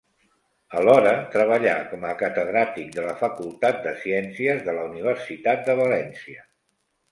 Alhora, treballà com a catedràtic de la Facultat de Ciències de la Universitat de València.